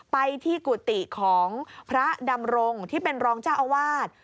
ไปที่กุฏิของพระดำรงที่เป็นรองเจ้าอาวาส